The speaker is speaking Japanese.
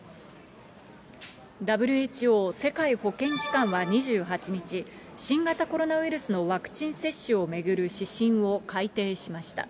ＷＨＯ・世界保健機関は２８日、新型コロナウイルスのワクチン接種を巡る指針を改定しました。